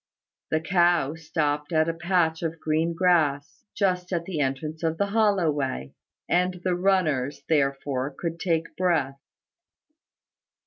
The cow stopped at a patch of green grass, just at the entrance of the hollow way; and the runners therefore could take breath.